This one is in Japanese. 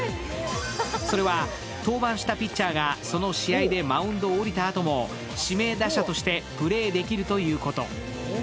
それは登板したピッチャーがその試合でマウンドを降りたあとも指名打者としてプレーできるということ。